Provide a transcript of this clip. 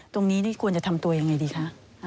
ตรงนี้นี่ควรจะทำตัวยังไงดีคะ